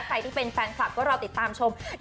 ใครที่เป็นแฟนคลับก็รอติดตามชม